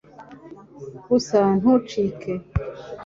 gusa ntucike